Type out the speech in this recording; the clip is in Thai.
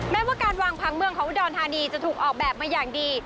แม้ว่าการวางผังเมืองของอุดรธานีจะถูกออกแบบมาอย่างดี